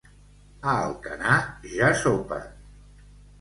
A Alcanar ja sopen.